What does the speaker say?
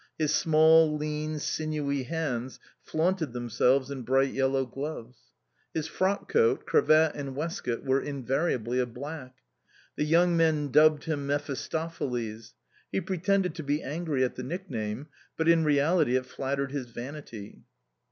His small, lean, sinewy hands flaunted themselves in bright yellow gloves. His frock coat, cravat and waistcoat were invariably of black. The young men dubbed him Mephistopheles; he pretended to be angry at the nickname, but in reality it flattered his vanity.